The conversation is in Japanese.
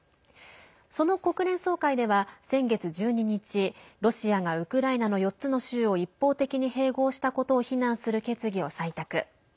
その国連総会では、先月１２日ロシアがウクライナの４つの州を一方的に併合したことを非難する決議を採択。